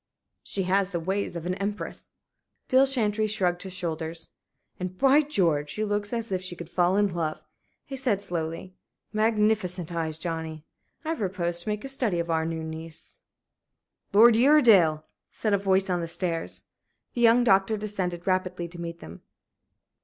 "She has the ways of an empress." Bill Chantrey shrugged his shoulders. "And, by George! she looks as if she could fall in love," he said, slowly. "Magnificent eyes, Johnnie. I propose to make a study of our new niece." "Lord Uredale!" said a voice on the stairs. The young doctor descended rapidly to meet them.